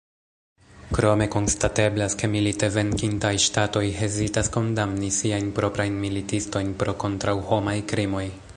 Krome konstateblas, ke milite venkintaj ŝtatoj hezitas kondamni siajn proprajn militistojn pro kontraŭhomaj krimoj.